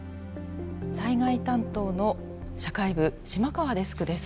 災害担当の社会部島川デスクです。